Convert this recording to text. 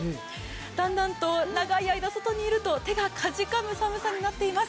だんだんと長い間、外にいると手がかじかむ寒さになっています。